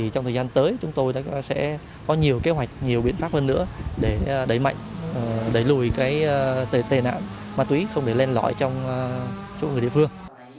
trong thời gian tới chúng tôi sẽ có nhiều kế hoạch nhiều biện pháp hơn nữa để đẩy mạnh đẩy lùi tệ nạn ma túy không để lên lõi trong chỗ người địa phương